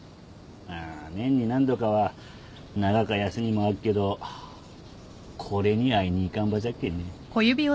あ年に何度かは長か休みもあっけどこれに会いに行かんばじゃっけんね。